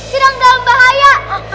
sedang dalam bahaya